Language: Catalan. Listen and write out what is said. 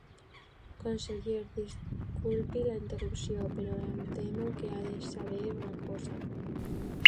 Conseller, disculpi la interrupció, però em temo que ha de saber una cosa.